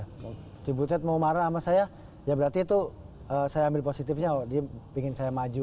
kalau si butet mau marah sama saya ya berarti itu saya ambil positifnya dia pingin saya maju